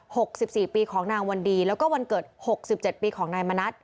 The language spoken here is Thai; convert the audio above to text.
หกสิบสี่ปีของนางวันดีแล้วก็วันเกิดหกสิบเจ็ดปีของนายมณัฐ